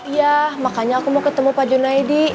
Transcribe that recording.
iya makanya aku mau ketemu pak junaidi